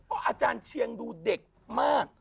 อาจารย์เชียงดูเด็กมาก